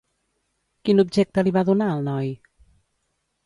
Quin objecte li va donar el noi?